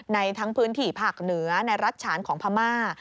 ในทั้งพื้นที่ภาคเหนือในรัฐฉานของพม่า